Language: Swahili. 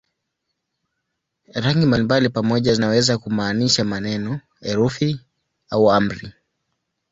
Rangi mbalimbali pamoja zinaweza kumaanisha maneno, herufi au amri.